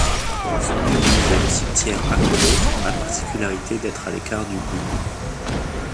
Son église et le cimetière accolé ont la particularité d'être à l'écart du bourg.